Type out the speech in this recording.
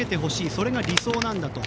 それが理想なんだと。